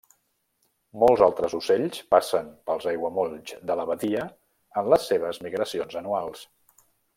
Molts altres ocells passen pels aiguamolls de la badia en les seves migracions anuals.